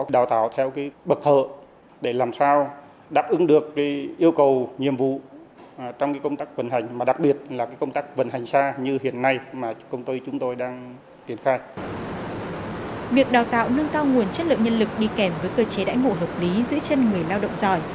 đào tạo nâng cao nguồn chất lượng nhân lực đi kèm với cơ chế đại ngộ hợp lý giữ chân người lao động giỏi